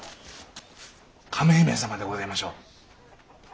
亀姫様でごぜましょう？